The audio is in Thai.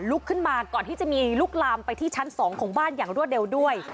ลุกขึ้นมาก่อนที่จะมีลุกลามไปที่ชั้น๒ของบ้านอย่างรวดเร็วด้วย